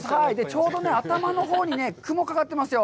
ちょうど頭のほうに雲かかってますよ。